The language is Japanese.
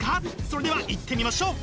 それではいってみましょう！